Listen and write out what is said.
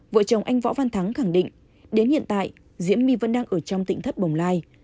vợ chồng anh võ văn thắng khẳng định đến hiện tại diễm my vẫn đang ở trong tỉnh thất bồng lai